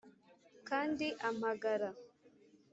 kandi ampamagara.